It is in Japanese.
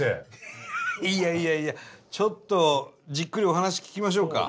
いやいやいやちょっとじっくりお話聞きましょうか。